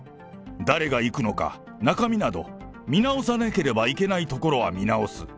誰が行くのか、中身など、見直さなければいけないところは見直す。